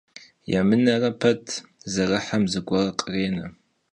Yêmınere pet zerıhem zıguer khrêne.